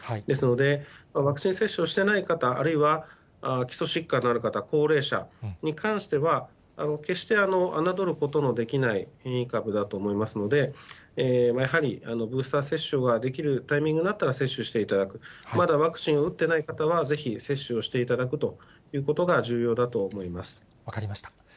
ですので、ワクチン接種をしてない方、あるいは基礎疾患のある方、高齢者に関しては決して侮ることのできない変異株だと思いますので、やはり、ブースター接種ができるタイミングになったら接種していただく、まだワクチンを打ってない方は、ぜひ接種をしていただくというこ分かりました。